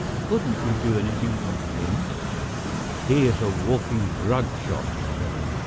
Couldn't you do anything for him?" "He is a walking drug shop," said I.